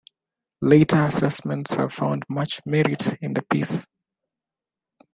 Later assessments have found much merit in the piece.